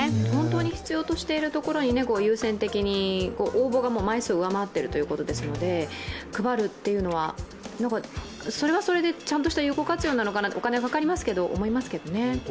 本当に必要としているところに優先的に、応募が枚数を超えているそうでずきで配るというのはそれはそれでちゃんとした有効活用なのかなお金はかかりますけど、そう思いますけどね。